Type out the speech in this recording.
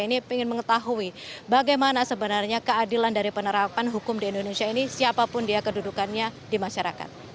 ini ingin mengetahui bagaimana sebenarnya keadilan dari penerapan hukum di indonesia ini siapapun dia kedudukannya di masyarakat